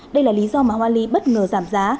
đây là lý do mà hoa ly bất ngờ giảm giá